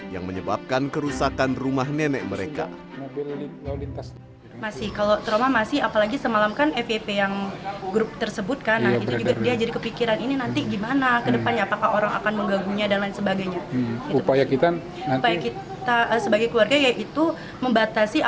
yang menyebabkan kerusakan rumah nenek mereka